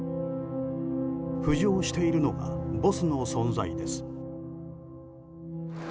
浮上しているのがボスの存在です。